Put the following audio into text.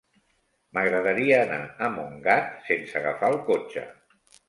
M'agradaria anar a Montgat sense agafar el cotxe.